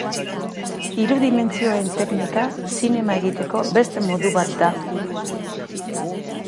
Hiru dimentsioen teknika zinema egiteko beste modu bat da.